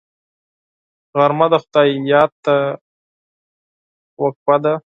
غرمه د خدای یاد ته وقفه ده